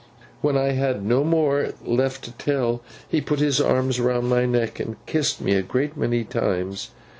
When I had no more left to tell, he put his arms round my neck, and kissed me a great many times.